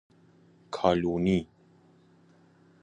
کالونی